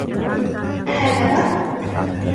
أهكذا؟